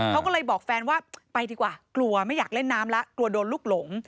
เขาก็เลยบอกแฟนว่าไปดีกว่ากลัวไม่อยากเล่นน้ำแล้วกลัวโดนลูกหลง